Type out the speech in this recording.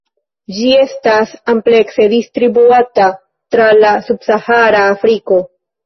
Ĝi estas amplekse distribuata tra la subsahara Afriko.